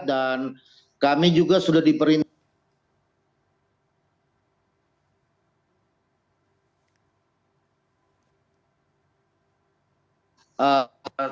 dan kami juga sudah diperintahkan